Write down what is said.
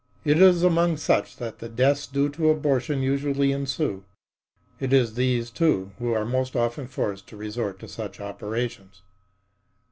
It is among such that the deaths due to abortion usually ensue. It is these, too, who are most often forced to resort to such operations.